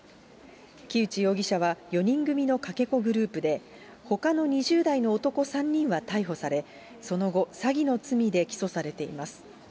木内容疑者は４人組のかけ子グループで、ほかの２０代の男３人は逮捕され、その後、詐欺の罪で起訴されています。